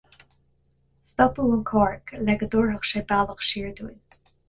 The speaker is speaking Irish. Stopadh an carr le go dtabharfadh sé bealach siar dúinn.